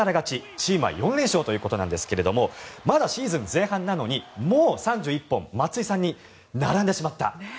チームは４連勝ということなんですがまだシーズン前半なのにもう３１本松井さんに並んでしまった。